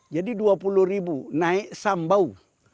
jadi dua puluh ribu naik sambau